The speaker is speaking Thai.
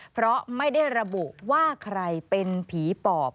เพราะไม่ได้ระบุว่าใครเป็นผีปอบ